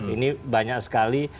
ini banyak sekali